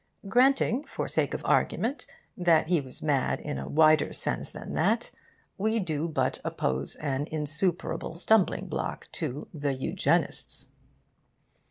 Granting for sake of argument that he was mad in a wider sense than that, we do but oppose an insuperable stumbling block to the Eugenists.